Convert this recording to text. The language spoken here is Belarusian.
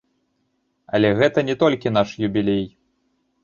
Але гэта не толькі наш юбілей.